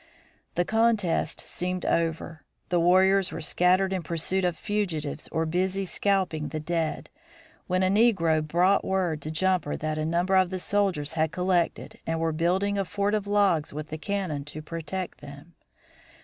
The contest seemed over. The warriors were scattered in pursuit of fugitives or busy scalping the dead, when a negro brought word to Jumper that a number of the soldiers had collected and were building a fort of logs with the cannon to protect them.